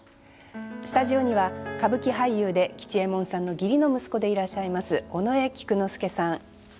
スタジオには歌舞伎俳優で吉右衛門さんの義理の息子でいらっしゃいます尾上菊之助さん。